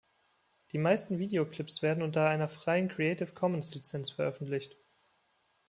Die meisten Videoclips werden unter einer freien Creative Commons-Lizenz veröffentlicht.